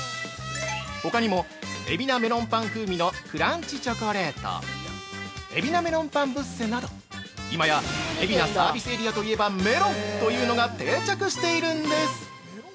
ほかにも「海老名メロンパン風味のクランチチョコレート」「海老名メロンパンブッセ」など今や海老名サービスエリアといえばメロンというのが定着しているんです！